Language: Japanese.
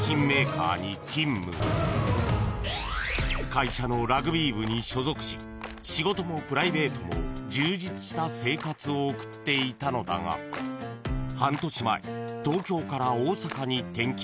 ［会社のラグビー部に所属し仕事もプライベートも充実した生活を送っていたのだが半年前東京から大阪に転勤］